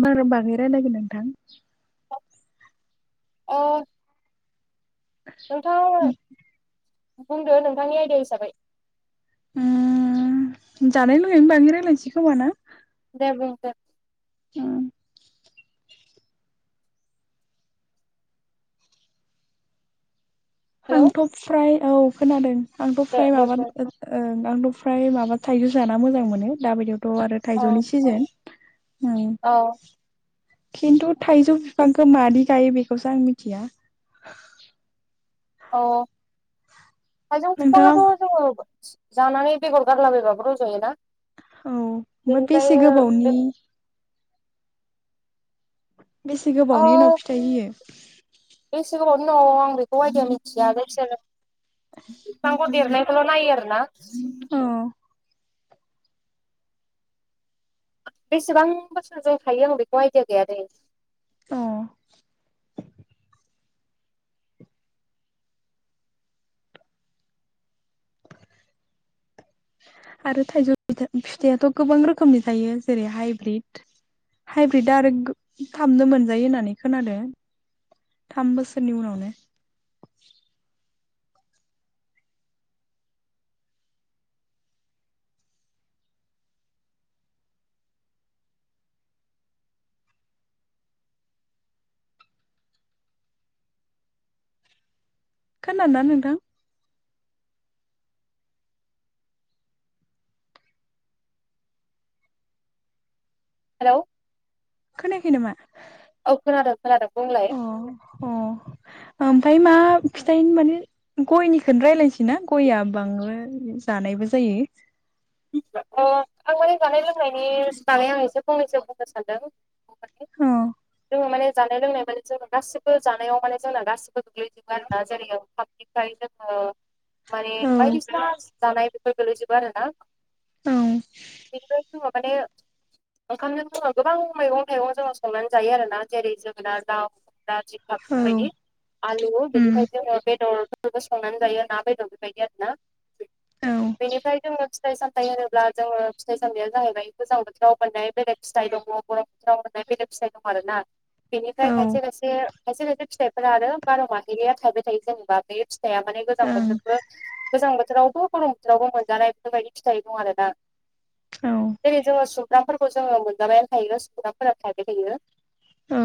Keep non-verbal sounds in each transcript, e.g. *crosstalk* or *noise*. मानि बागै रायलायगोन नोंथां। अ नोंथाङा आंनो बुंदो नोंथांनि आयदायै हिसाबै। उम जानाय लोंनायनि बाङै रायलायनोसै खोमा ना। दे बुं हेलौ आंथ' फ्राय औव खोनादों आंथ' दे फ्राय दे माबा बुं ओं ओ आंथ' ओमफ्राय माबा थाइजौ जाना मोजां मोनो दाबायदियावथ' आरो औ थाइजौनि सिजोन। उम औ खिन्थु थायजौ बिफांखौ मादै गायो बेखौसो आं मिथिया। अ थायजौ नोंथाङा बिफाङाथ' जोङो जानानै बेगर गारलाबायबाबो रज'योना। औ ओमफ्राय बेनिफ्राय बेसे गोबावनि ओ बेसे गोबावनि उनाव औ फिथाइ होयो। बेसे गोबावनि उनाव आं बेखौ आइदाखौ मिथिया जायखि जाया बिफांखौ देरनाय खौल' नायो आरोना। उम बेसेबां बोसोरजों थायो आं बेखौ आइदा गैया दै। अ आरो थाइजौ फिथाइआथ' गोबां रोखोमनि जायो जेरै हाइब्रिद हाइब्रिदा आरो गो खामनो मोनजायो होननानै खोनादों। थाम बोसोरनि उनाव नो। खोनादों ना नोंथां? हेल'! खोनायाखै नामा? औव खोनादों खोनादों। बुंलाय ओमफाय मा फिथाइ माने गयनिखौनो रायलायनोसै ना? गयआ बांद्राय जानाय बो जायो। अ आं माने जानाय लोंनायनि बागै आंसे फंनैसो बुंनो सानदों। अ जोङो माने जानाय लोंनाय माने जोङो गासिबो जानायाव माने जोंना गासिबो गोगैजोबो आरोना जेरै पाब्लिकाइ जोंङो माने औ बायदिसिना जानाय बेफोर गोलै'जोबो आरो ना। औ बेनिफ्राय जोङो माने ओंखामजों जोङो गोबां मैगं थाइगं जोङो संनानै जायो आरोना जेरै जोगोनार दाउ, जिंखा औ बेफोरबायदि, आलु उम बेनिफाय जोङो बेदर *unintelligible* संनानै जायो ना बेदर बेबायदि आरोना। औ बेनिफ्राय जोङो फिथाइ सामथाय होनोब्ला जोङो फिथाइ सामथाइया जाहैबाय गोजां बोथोराव मोननाय बेलेग फिथाइ दङ। गरम बोथोराव मोननाय बेनो फिथाइ दं आरो ना औ बेनिफ्राय खायसे-खायसे खायसे-खायसे फिथाइफोरा आरो बार' माहेरिया थायबाय थायो जेनेबा बे फि थाइया माने गोजां ओं बोथोरबो गोजां बोथोरावबो' गरम बोथोरावबो मोनजानाय बेफोरबायदि फिथाइ दं आरो ना। औ जेरै जोङो सुमगफ्रामफोरखौ जोङो मोनजाबायानो थायो सुमफ्रामफोरा थायबाय थायो। औ।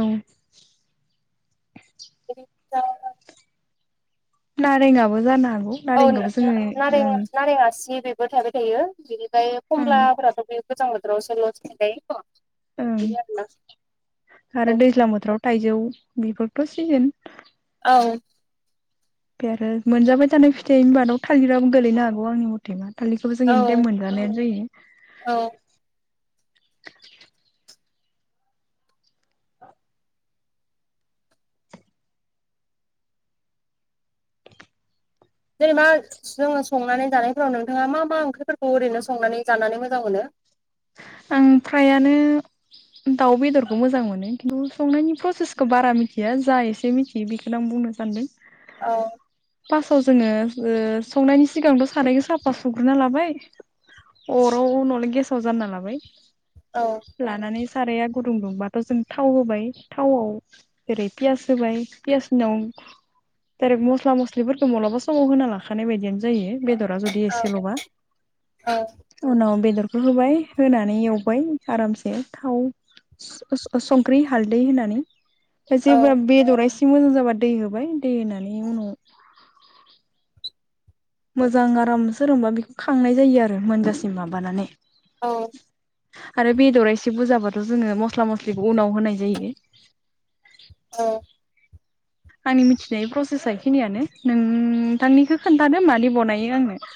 *unintelligible* नारेंङाबो जानो हा औ ना-ना-नारें-नारें आसि बे बो थाबाय थायो बिनिफाय ओं कमलाफोराथ' बे गोजां बोथोरावसो ल'सो थायबाय। ओं औ आरो दैज्लां बोथोराव थाइजौ बेफोरथ' सिजोन। औ। बे आरो मोनजाबाय जानाय फिथाइनि मादाव थांलिराबो गोलैनो हागौ आंनि मथे बा। थलिखौबो जों औ एनिटाइम मोनजानायानो जायो। औ जेनेबा जोङो संनानै जानायफोराव नोंथाङा मा मा ओंख्रिफोरखौ ओरैनो संनानै जानानै मोजां मोनो? *inaudible* आं फ्रायानो दाउ बेदरखौ मोजां मोनो खिन्थु संनायनि प्रसेसखौ बारा मिथिया। जा एसे मिथियो बेखौनो आं बुंनो सानदों। औ। फार्स्टआव जोङो ओ संनायनि सिगांथ' सारायखौ साफा सुग्रोना लाबाय, अराव नङावलाय गेसाव जाननानै लाबाय औ लानानै साराया गुदुं दुंबाथ' जों थाव होबाय थावआव ओेरै पियास होबाय पियासनि उनाव दायरेक्ट मस्ला-मस्लिफोरखौ मालाबा समाव होना लाखानाय बायदियानो जायो। बेदर रा जुदि औ एसे ल'बा औ उनाव बेदर होबाय होनानै एवबाय आरामसे थाव, स-स-संख्रि हालदै होनानै। औ जेब्ला बेदरा एसे मोजां जाबा दै होबाय। दै होनानै उनाव मोजां आराम सोरोंबा बेखौ खांनाय जायो आरो मोनजासिम माबानानै। औ। आरो बेदरा एसे बुरजाबाथ' जोङो मस्ला मस्लिखौ उनाव होनाय जायो। औ अ आंनि मिथिनाय प्रसेसा बेखिनियानो नोंथांनिखौ खोन्थादो मानरै बनायो आंनो। *inaudible*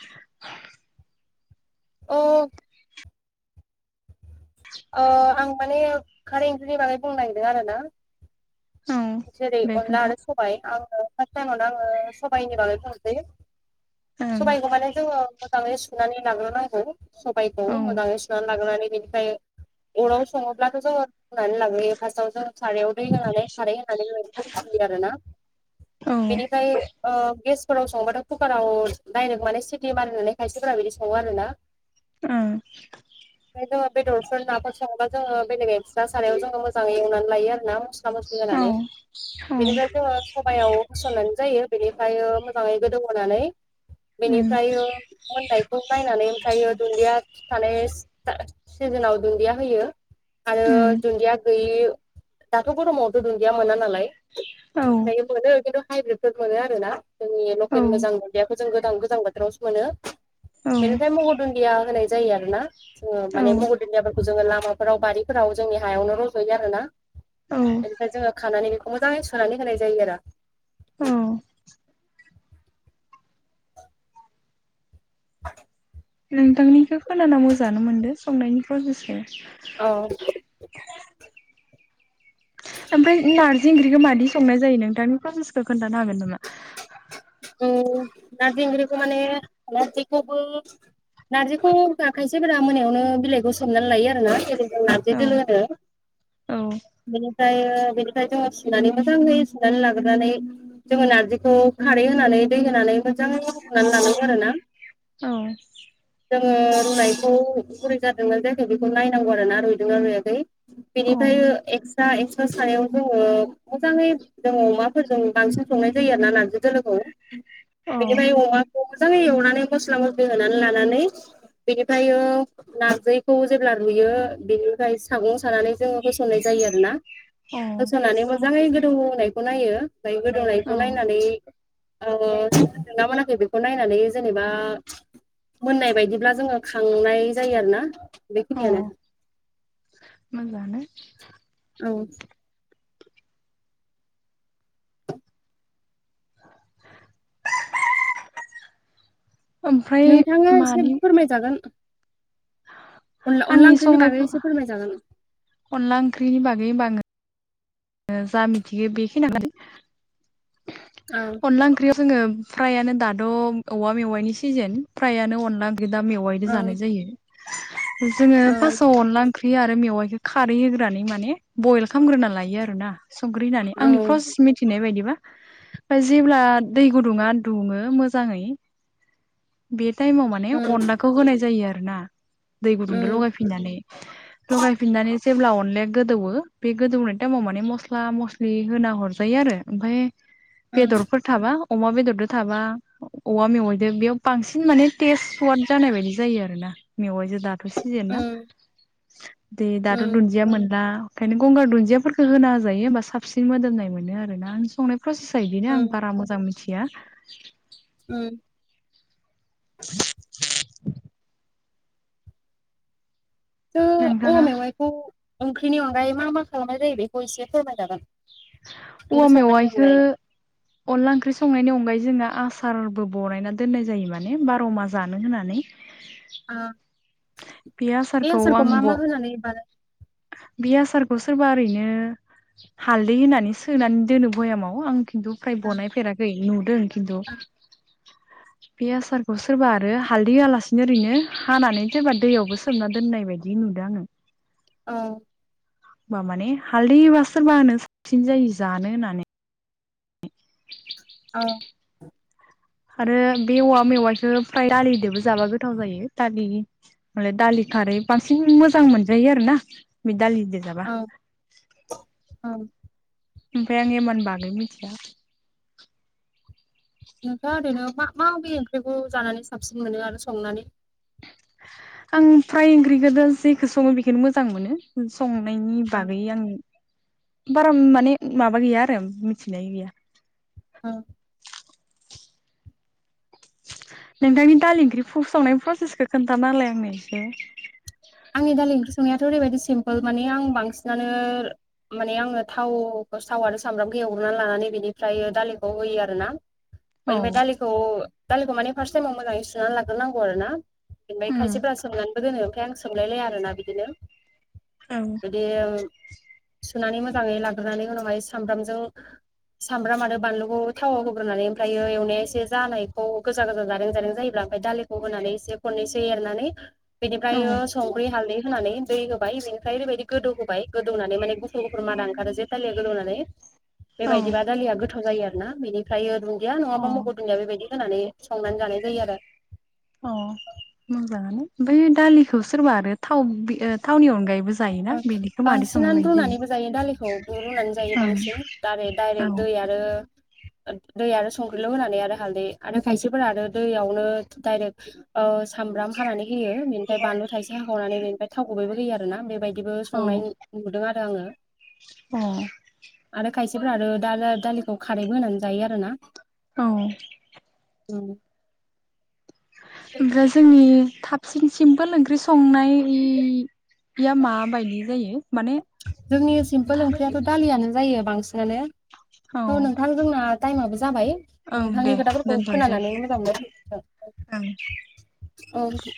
अ ओ आं माने खारै ओंख्रिनि बागै बुंनो नागिरदों आरो ना। औ जेरै दे अनला खोन्था आरो सबाय। आं फास्ट टाइमावनो आङो सबाइनि बागै बुंसै ओं सबाइखौ माने जोङो, मोजाङै सुनानै लाग्रोनांगौ सबायखौ औ मोजाङै सुनानै लाग्रोनानै बेनिफ्राय, अराव सङोब्लाथ' जोङो रुनानै लाग्रोयो फार्स्टआव जों सारायाव दै होनानै खारै होनानै बेबायदि आरि आरो ना औ बेनिफ्राय ओ गेसफोराव संबाथ' कुकाराव दायरेक्ट माने सिटि मारिनानै खायसेफोरा संङो आरोना? उम जोङो बेदरफोर नाफोर सङोबा जोङो बेलेग एकस्रा सारायाव जोङो मोजाङै एवनानै लायो आरो ना? औ मसला-मसलि औ बेनिफ्राय जोंङो सबायाव होसननानै जायो बेनिफ्राय मोजाङै गोदौहोनानै, उम बेनिफ्राय मोननायखौ नायनानै ओमफ्रायो दुन्दिया, थानाय सिजोनाव दुन्दिया होयो आरो उम दुन्दिया, *unintelligible* दाथ' गरमावथ' दुन्दिया मोना नालाय औ मोनो खिन्थु, हाइब्रिदफोर मोनो आरोना जोंनि लकेल औ मोजां मुदियाखौ जों गोजां गोजां बोथोरावसो मोनो, औ बेनिफ्राय महर दुन्दिया होनाय जायो आरो ना जोङो औ माने महर जों लामाफोराव बारिफोराव जोंनि हायावनो रज'यो आरोना औ बेनिफ्राय जोङो खानानै बे मोजाङै सोनानै होनाय जायो आरो उम नोंथांनिखौ खोनाना मोजाङानो मोनदों संनायनि फ्रासेस खौ औ ओमफ्राय नारजि ओंख्रिखौ मादि संनाय जायो नोंथांनि फ्रासेस खोन्थानो हागोन नामा? नार्जिखौबो, नार्जिखौ खायसेफोरा मोनायावनो बिलाइखौ सोमनानै लायो आरोना जेरै नार्जि औ दोलो आरो औ ओमफाय बेनिफ्राय जोङो सुनानै मोजाङै सुनानै लाग्रोनानै जोङो नार्जिखौ, खारै होनानै दै होनानै मोजां संनानै लानांगौ आरो ना, औ जोङो रुनायखौ गुरै जादोंना जायाखै बेखौ नायनांगौ आरोना रुइदोंना रुइयाखै, बेनिफ्राय एकस, दा एक्स्रा सानायाव जोङो मोजाङै जोंङो अमाफोरजों बांसिन संनाय जायो आरोना नार्जि, खौ औ बेनिफ्राय अमाखौ, मोजाङै एवनानै मस्ला मस्लि होनानै लानानै बेनिफ्राय नार्जिखौ जेब्ला रुयो, ओ बेनिफ्राय साम'स सानानै जोङो होसननाय जायो आरोना होसननानै मोजाङै गोदौनायखौ नायो। नाय औ गोदौनायखौ नायनानै, ओ मोनदोंना मोनाखै बेखौ नायनानै जेनेबा, मोननाय बायदिब्ला जोङो खांनाय जायो आरो ना? औ बेखिनियानो मोजांआनो औ ओमफ्राय नोंथाङा एसे मानि फोरमायजागोन, अनला आंनि ओंख्रिनि संनाय बागै एसे फोरमायजागोन अनला ओंख्रिनि बागै बाङो, जा मिथियो बेखिनियानो औ अनला ओंख्रियाव, जोङो फ्रायानो दाद' औवा मेवाइनि सिजेन फ्रायानो अनला, दा औ मेवाइजो जानाय जायो। जोङो औ फास्सआव अनला ओंख्रि आरो मेवाइखौ खारै होग्रानै माने बयल खालामग्रोना लायो आरो ना? संग्रि होननानै औ आंनि फ्रसेस मिथिनाय बायदि, ओमफ्राय जेब्ला दै गुदुङा दुंङो मोजाङै बे, टाइमाव माने उम अनलाखौ होनाय जायो आरो ना दै गुदुंजों उम लगायफिननानै लगायफिननानै जेब्ला अनलाया गोदौवो बे गोदौनाय टाइमाव माने मस्ला मस्लि होना हरजायो आरो ओमफ्राय उम बेदरफोर थाबा अमा बेदरजों थाबा औवा मेवाइजों बेयाव बांसिन माने टेस्ट सवाद जानाय बायदि जायो आरोना मेवाइजों दा दाथ' सिजोन ना उम दै दाथ' उम दुन्दिया मोनला ओंखायनो गंगार दुन्दियाफोरखौखौ होना हो जायो होमबा साबसिन मोदोमनाय मोनो आर नां संनाय फ्रासिस बिदिनो आं उम बारा मोजां मिथिया उम *inaudible* औवा नोंथाङा मेवाइखौ ओंख्रिनि अनगायै मा मा खालामनाय जायो बेखौ एसे फोरमायजागोन औवा ओंख्रि संनायनि मेवाइखौ अनगायै अनला ओंख्रि संनायनि अनगायै जोंना आसारबो बनायना दोननाय जायो माने बार'मा जानो होननानै। *inaudible* बे आसारखौ आं मा ब मा होनानै बानाय बे आसारखौ सोरबा ओरैनो हालदै होनानै सोनानै दोनो भयामाव आं खिन्थु फ्राय बानायफेराखै नुदों खिन्थु। बे आसारखौ सोरबा आरो हालदै होआलासिनो ओरैनो हानानै सोरबा दैयावबो सोमना दोननाय बायदि नुदों आङो। औ। होमबा माने हालदैबा सोरबा होनो साबसिन जायो जानो होननानै। औ आरो बे औवा मेवाइखो फ्राय दालिदोबो जाबा गोथाव जायो *unintelligible* दालि खारै बांसिन मोजां मोनजायो आरोना बे दालि औ औ। ओमफाय आं एमान बागै मिथिया। नोंथाङा ओरैनो मा माबि ओंख्रिखौ जानानै साबसिन मोनो आरो संनानै? आं फ्राय ओंख्रिखोदो जेखो सङो बेखोनो मोजां मोनो। संनायनि बागै आं बारा माने माबा गैया आरो मिथिनाय गैया। *inaudible* *inaudible* नोंथांनि दालि ओंख्रि फ संनायनि प्रसेसखौ खोन्थाना होलाय आंनो एसे। थ' ओरैबायदि सिमपोल माने आं बांसिनानो माने आङो थाव बा साव आरो सामब्रामखो एव ग्रोना लानानै बेनिफ्रायो दालिखौ होयो आरोना। औ बेनिफ्राय दालिखौ दालिखौ माने फार्स्ट टाइमाव मोजाङै सुनानै लागोरनांगौ आरोना। ओमफ्राय उम खायसेफोरा सोमनानैबो दोनो ओमफाय आं सोमलायलाया आरोना बिदिनो। औ बिदि सुनानै मोजाङै लाग्रोनानै उनावहाय सामब्रामजों सामब्राम आरो बानलुखौ थावाव होग्रोनानै ओमफ्रायो एवनाया एसे जानायखौ गोजा गोजा जारें जारें जायोब्ला ओमफाय दालिखौ होनानै एसे खननैसो एरनानै औ बिनिफ्रायो हालदै होनानै दै होबाय बेनिफ्राय ओरैबायदि गोदौ होबाय गोदौनानै माने गुफुर गफुर मादा ओंखारो जे दालिया गोदौनानै। औ बेबायदिबा दालिया गोथाव जायो आरो। ना बेनिफ्राय दुन्दिया नङाबा औ मगु दुन्दिया बेबायदि होनानै संनानै जानाय जायो आरो। अह मोजाङानो। ओमफाय दालिखौ सोरबा आरो थाव बि थावनि अनगायैबो जायोना बिदिखौ मादै संनाय बांसिनानो बायदि रुनानैबो जायो दालिखौ रुनानै जायो बांसिन दारे डाइरेक्ट ओं दैया आरो दै आरो संख्रिल' होनानै आरो हालदै आरो खायसेफोरानो दैयावनो डायरेक्ट ओ ओ सामब्राम हानानै होयो। बेनिफाय बानलु थाइसे हाखावनानै बेनिफाय थाव गुबैबो होयो आरोना बेबाय दिबो संनाय नुदों आरो आङो। अह। आरो खायसेफोरा आरो दा-दा-दालिखौ खारैबो होनानै जायो आरोना। औ। *inaudible* ओमफ्राय जोंनि थाबसिन सिम्पोल ओंख्रि संनाया माबायदि जायो? माने? जोंनि सिम्पोल ओंख्रियाथ' दालियानो जायो बांसिनानो। औ त' नोंथां जोंना टाइमाबो जाबाय ओं नोंथांनि दे खोथाफोरखौ दोनथ'नोसै खोनानानै मोजां मोनबाय। ओं औ।